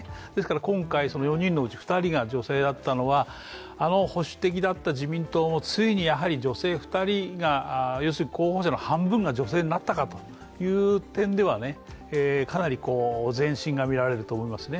今回、４人のうち２人が女性だったのはあの保守的だった自民党もついに女性２人が、要するに候補者の半分が女性になったかという点ではかなり前進が見られると思いますね。